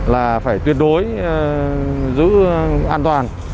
là phải tuyệt đối giữ an toàn